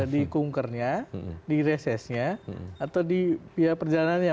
di kunkernya di resesnya atau di perjalanannya